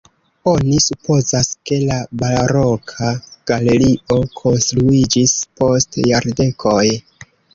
Oni supozas, ke la baroka galerio konstruiĝis post jardekoj.